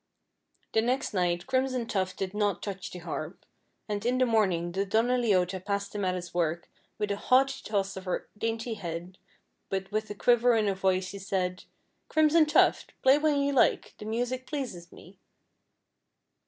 The next night Crimson Tuft did not touch the harp, and in the morning the Donna Leota passed him at his work with a haughty toss of her dainty head, but with a quiver in her voice she said, "Crimson Tuft, play when you like, the music pleases me."